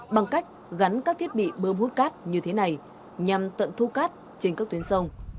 bằng cách gắn các thiết bị bơm hút cát như thế này nhằm tận thu cát trên các tuyến sông